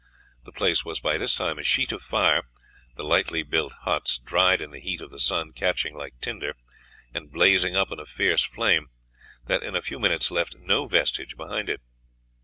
The place was by this time a sheet of fire, the lightly built huts, dried in the heat of the sun, catching like tinder, and blazing up in a fierce flame, that in a few minutes left no vestige behind it.